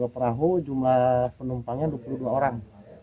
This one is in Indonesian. dua perahu jumlah penumpangnya dua puluh dua orang